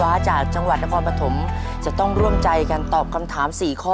ถ้าโชคดีต่อผลูกทั้งหมด๔ข้อ